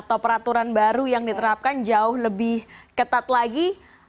atau peraturan baru yang diterapkan jauh lebih ketat lagi